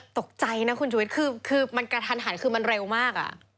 ตกใจนะคุณชุวิตคือมันกระทันหันคือมันเร็วมาก